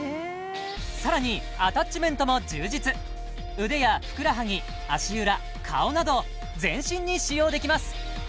さらにアタッチメントも充実腕やふくらはぎ足裏顔など全身に使用できます